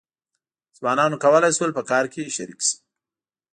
ځوانانو کولای شول په کار کې شریک شي.